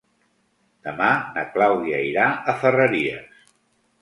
Demà na Clàudia irà a Ferreries.